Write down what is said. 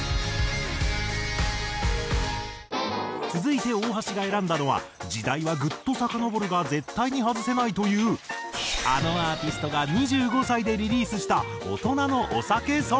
続いて大橋が選んだのは時代はグッとさかのぼるが絶対に外せないというあのアーティストが２５歳でリリースした大人のお酒ソング。